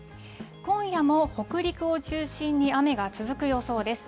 今夜も北陸を中心に雨が続く予想です。